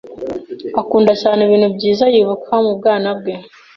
Akunda cyane ibintu byiza yibuka mu bwana bwe.